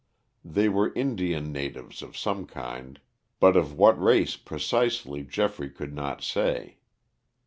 They were Indian natives of some kind, but of what race precisely Geoffrey could not say.